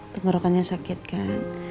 tenggerokannya sakit kan